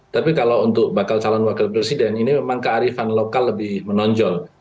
tapi kalau untuk bakal calon wakil presiden ini memang kearifan lokal lebih menonjol